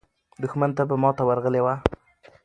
دښمن ته به ماته ورغلې وه.